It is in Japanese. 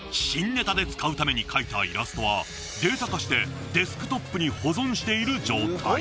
新ネタで使うために描いたイラストはデータ化してデスクトップに保存している状態。